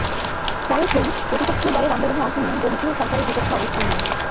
প্রায়শঃই প্রতিপক্ষীয় দলের আন্দোলনে অংশ নিয়ে বলিভারীয় সরকারের বিপক্ষে অবস্থান নেয়।